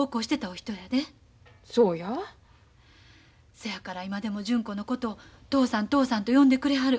そやから今でも純子のことを嬢さん嬢さんと呼んでくれはる。